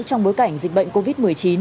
trong bối cảnh dịch bệnh covid một mươi chín